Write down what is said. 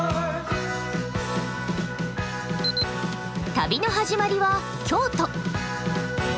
旅の始まりは京都。